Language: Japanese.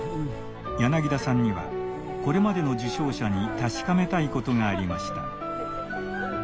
柳田さんにはこれまでの受賞者に確かめたいことがありました。